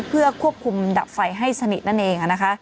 เพื่อควบคุมดับไฟให้สนิทนั่นเอง